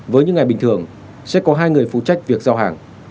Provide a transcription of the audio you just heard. với những ngày bình thường sẽ có hai người phụ trách việc giao hàng